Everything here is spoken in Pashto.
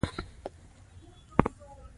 ظاهر قدير دوړې ولي چې زه دوه سوه پينځوس ګاډي لرم.